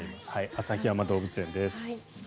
旭山動物園です。